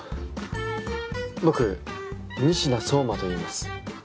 僕仁科蒼真といいます。